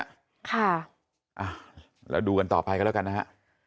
ค่ะเราดูกันต่อไปกันแล้วกันนะฮะ